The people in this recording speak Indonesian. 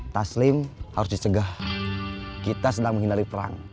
taslim harus dicegah kita sedang menghindari perang